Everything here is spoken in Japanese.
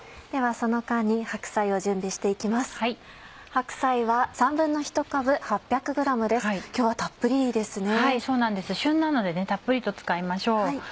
そうなんです旬なのでねたっぷりと使いましょう。